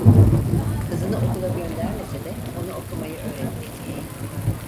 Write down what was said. Kızını okula göndermese de ona okumayı öğretmiştir.